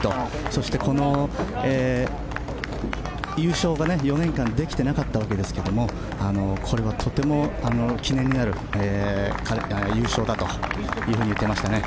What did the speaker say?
そして、優勝が４年間できていなかったわけですけどこれはとても記念になる優勝だと言っていましたね。